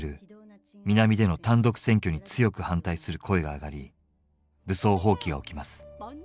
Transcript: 南での単独選挙に強く反対する声が上がり武装蜂起が起きます。